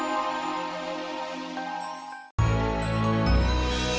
masih ter pinpoint yg jangan bercanda yg saya lupa